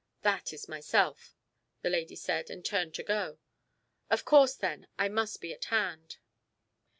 "That is myself," the lady said, and turned to go. "Of course then I must be at hand."